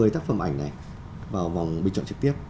một mươi tác phẩm ảnh này vào vòng bình chọn trực tiếp